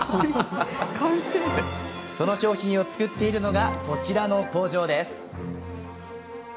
その商品を作っているのがこちらの工場です。